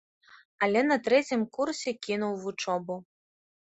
Але на трэцім курсе кінуў вучобу.